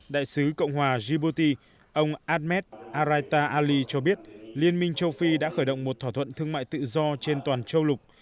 đại sứ cộng hòa djibouti ông ahmed araita ali cho biết liên minh châu phi đã khởi động một thỏa thuận thương mại tự do trên toàn châu lục